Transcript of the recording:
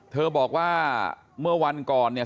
เธอบอกว่าเมื่อวันก่อนเนี่ย